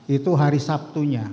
itu hari sabtunya